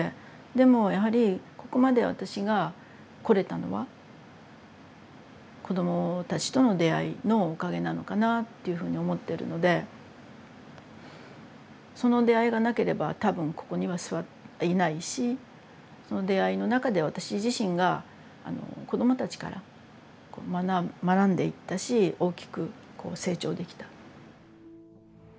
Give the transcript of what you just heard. でもやはりここまで私が来れたのは子どもたちとの出会いのおかげなのかなっていうふうに思ってるのでその出会いがなければ多分ここには座っていないしその出会いの中で私自身が子どもたちから学んでいったし大きくこう成長できた。